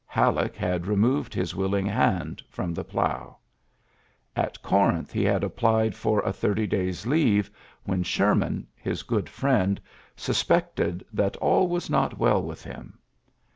HaUeck had i moved his willing hand from the ploug At Corinth he had applied for a thir days' leave, when Sherman, his go< friend, suspected that all was not w< with him.